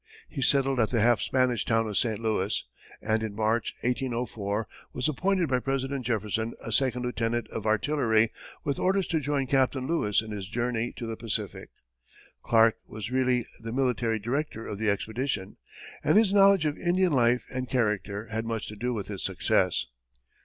He settled at the half Spanish town of St. Louis, and in March, 1804, was appointed by President Jefferson a second lieutenant of artillery, with orders to join Captain Lewis in his journey to the Pacific. Clark was really the military director of the expedition, and his knowledge of Indian life and character had much to do with its success.